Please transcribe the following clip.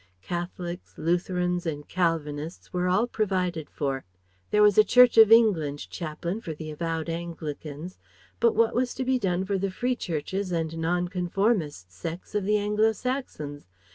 Catholics, Lutherans and Calvinists were all provided for; there was a Church of England chaplain for the avowed Anglicans; but what was to be done for the Free Churches and Nonconformist sects of the Anglo Saxons?